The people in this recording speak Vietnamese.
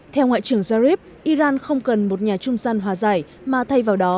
theo ngoại trưởng jarif iran không cần một nhà trung gian hòa giải mà thay vào đó